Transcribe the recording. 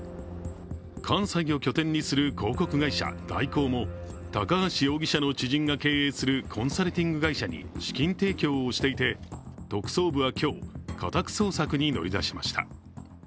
関西を拠点にする広告会社大広も高橋容疑者の知人が経営するコンサルティング会社に資金提供をしていて特捜部は今日、家宅捜索に乗り出しました。